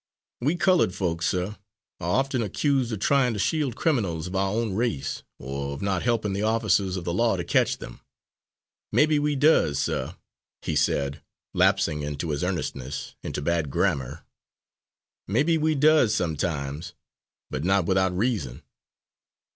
We coloured folks, sir, are often accused of trying to shield criminals of our own race, or of not helping the officers of the law to catch them. Maybe we does, suh," he said, lapsing in his earnestness, into bad grammar, "maybe we does sometimes, but not without reason."